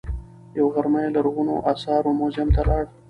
یوه غرمه یې لرغونو اثارو موزیم ته لاړ.